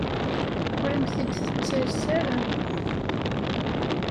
Ur am-t-id-tettales ara.